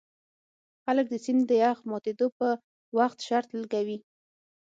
خلک د سیند د یخ ماتیدو په وخت شرط لګوي